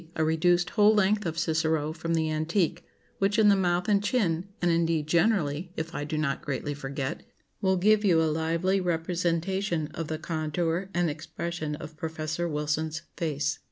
a reduced whole length of Cicero from the antique, which in the mouth and chin, and indeed generally, if I do not greatly forget, will give you a lively representation of the contour and expression of Professor Wilson's face.